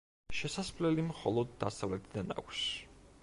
შესასვლელი მხოლო დასავლეთიდან აქვს.